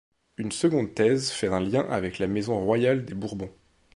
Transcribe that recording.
Une seconde thèse fait un lien avec la maison royale des Bourbon.